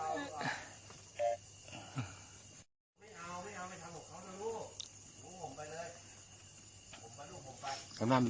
โอ้ยเฟิร์ตให้ลูกกล่าวผมดู